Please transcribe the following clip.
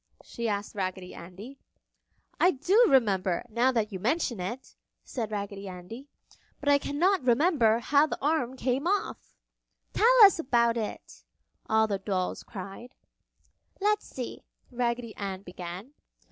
she asked Raggedy Andy. "I do remember, now that you mention it," said Raggedy Andy, "but I can not remember how the arm came off!" "Tell us about it!" all the dolls cried. "Let's see!" Raggedy Ann began.